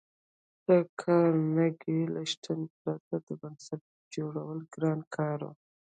د کارنګي له شتون پرته د بنسټ جوړول ګران کار و